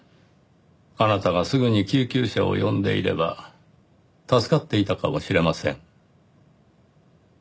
あなたがすぐに救急車を呼んでいれば助かっていたかもしれません。